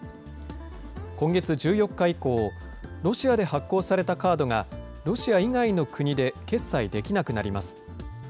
今月１４日以降、ロシアで発行されたカードが、ロシア以外の国で決済できなくなります。